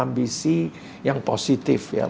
ambisi yang positif ya